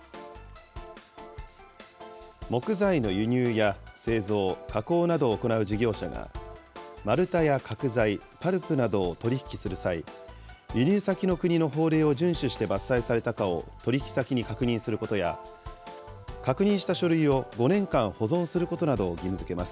木材の輸入や製造、加工などを行う事業者が、丸太や角材、パルプなどを取り引きする際、輸入先の法令を順守して伐採されたかを取り引き先に確認することや、確認した書類を５年間、保存することなどを義務づけます。